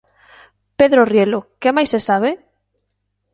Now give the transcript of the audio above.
Pedro Rielo, que máis se sabe?